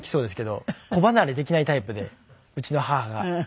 子離れできないタイプでうちの母が。